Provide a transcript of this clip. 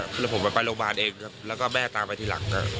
คือผมไปโรงพยาบาลเองครับแล้วก็แม่ตามไปทีหลัง